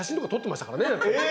え